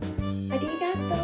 ありがとう！